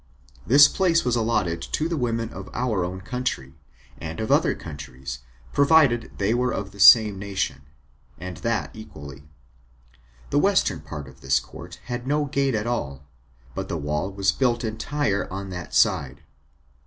This place was allotted to the women of our own country, and of other countries, provided they were of the same nation, and that equally. The western part of this court had no gate at all, but the wall was built entire on that side.